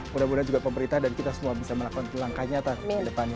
mudah mudahan juga pemerintah dan kita semua bisa melakukan langkah nyata ke depannya